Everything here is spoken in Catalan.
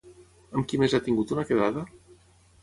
Amb qui més ha tingut una quedada?